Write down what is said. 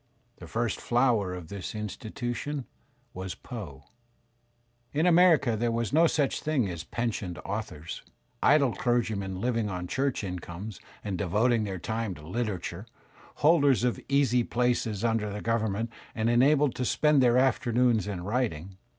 The first flower of this institution was Poe. In America there was no such thing as pensioned authors, idle clergymen Uving on church incomes and devoting their time to literature, holders of easy places under the govern ment and enabled to spend their afternoons in writing.